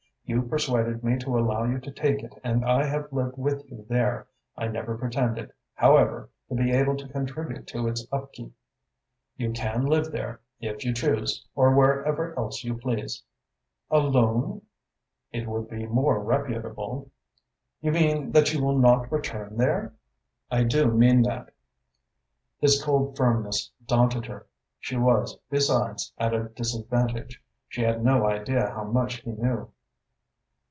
"You persuaded me to allow you to take it and I have lived with you there. I never pretended, however, to be able to contribute to its upkeep. You can live there, if you choose, or wherever else you please." "Alone?" "It would be more reputable." "You mean that you will not return there?" "I do mean that." His cold firmness daunted her. She was, besides, at a disadvantage; she had no idea how much he knew.